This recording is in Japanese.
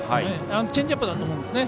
チェンジアップだと思うんですね。